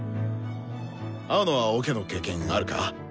青野はオケの経験あるか？